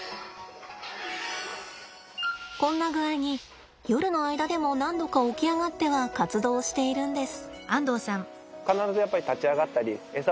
こんな具合に夜の間でも何度か起き上がっては活動しているんです。